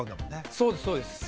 そうですそうです。